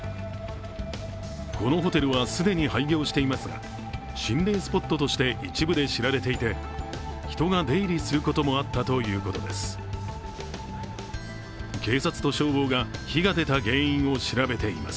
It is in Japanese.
このホテルは既に廃業していますが、心霊スポットとして一部で知られていて人が出入りすることもあったということです。